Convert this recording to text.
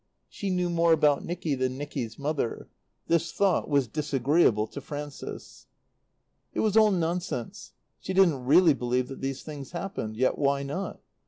She knew more about Nicky than Nicky's mother. This thought was disagreeable to Frances. It was all nonsense. She didn't really believe that these things happened. Yet, why not?